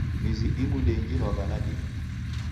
Mizi imu ndeingilwagha nadime